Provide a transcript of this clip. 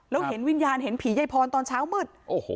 แล้วเห็นวิญญาณเห็นผียายพรตอนเช้ามืด